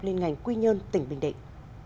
liên ngành quy nhơn tỉnh bình định